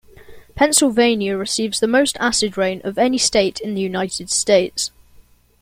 Pennsylvania receives the most acid rain of any state in the United States.